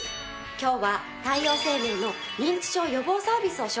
今日は太陽生命の認知症予防サービスを紹介するわね。